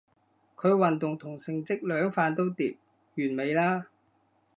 佢運動同成績兩瓣都掂，完美啦